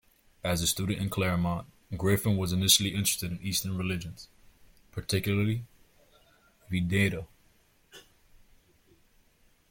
As a student in Claremont, Griffin was initially interested in Eastern religions, particularly Vedanta.